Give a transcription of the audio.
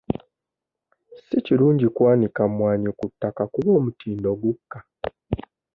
Si kirungi kwanika mwanyi ku ttaka kuba omutindo gukka.